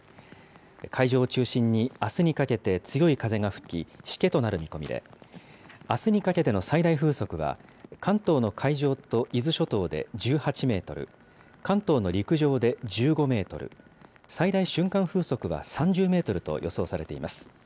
海上を中心にあすにかけて、強い風が吹き、しけとなる見込みで、あすにかけての最大風速は関東の海上と伊豆諸島で１８メートル、関東の陸上で１５メートル、最大瞬間風速は３０メートルと予想されています。